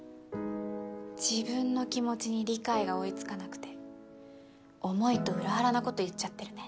自分の気持ちに理解が追いつかなくて思いと裏腹なこと言っちゃってるね